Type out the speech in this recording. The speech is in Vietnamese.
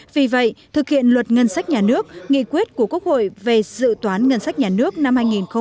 vì vậy thực hiện luật ngân sách nhà nước nghị quyết của quốc hội về dự toán ngân sách nhà nước năm hai nghìn một mươi chín